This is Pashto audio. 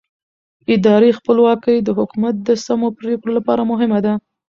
اداري خپلواکي د حکومت د سمو پرېکړو لپاره مهمه ده